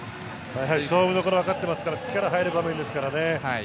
やはり勝負どころを分かっていますから、力が入る場面ですからね。